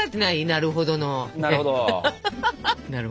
なるほど。